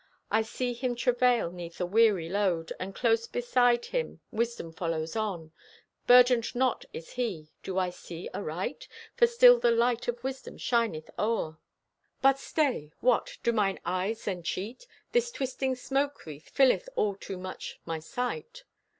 I see him travail 'neath a weary load, And close beside him Wisdom follows on. Burdened not is he. Do I see aright? For still the light of wisdom shineth o'er. But stay! What! Do mine eyes then cheat? This twisting smoke wreath Filleth all too much my sight!